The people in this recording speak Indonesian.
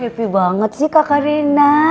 kamu happy banget sih kakak rena